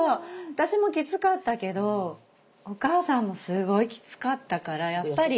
私もきつかったけどお母さんもすごいきつかったからやっぱり。